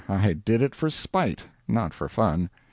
I did it for spite, not for fun.